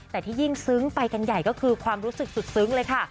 แต่ที่ยิ่งซึ้งไปกันใหญ่ก็คือความรู้สึกสุดซึ้งเลยค่ะ